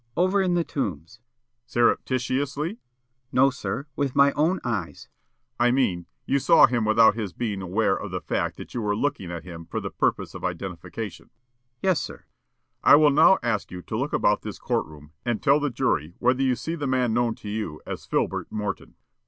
Witness: "Over in the Tombs." The State: "Surreptitiously?" Witness: "No, sir. With my own eyes." The State: "I mean, you saw him without his being aware of the fact that you were looking at him for the purpose of identification?" Witness. "Yes, sir." The State: "I will now ask you to look about this court room and tell the jury whether you see the man known to you as Filbert Morton?"